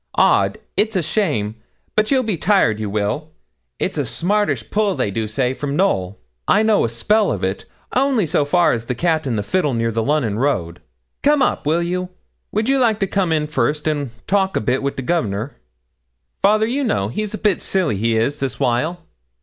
Odds! it's a shame; but you'll be tired, you will. It's a smartish pull, they do say, from Knowl. I know a spell of it, only so far as the "Cat and Fiddle," near the Lunnon road. Come up, will you? Would you like to come in first and talk a bit wi' the governor? Father, you know, he's a bit silly, he is, this while.'